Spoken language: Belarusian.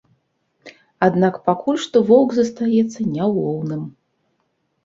Аднак пакуль што воўк застаецца няўлоўным.